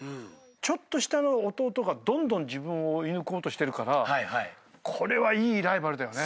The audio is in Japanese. ちょっと下の弟がどんどん自分を追い抜こうとしてるからこれはいいライバルだよね。